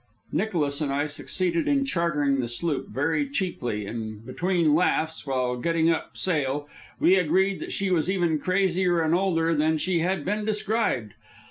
Nicholas and I succeeded in chartering the sloop very cheaply; and between laughs, while getting up sail, we agreed that she was even crazier and older than she had been described.